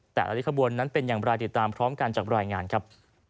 แต่ละขบวนนั้นเป็นอย่างไรติดตามพร้อมกันจากรายงานครับ